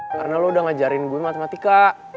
karena lo udah ngajarin gue matematika